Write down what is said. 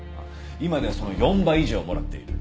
今ではその４倍以上もらっている。